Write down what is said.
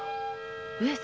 上様⁉